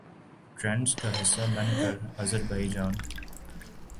trends کا حصہ بن کر آذربائیجان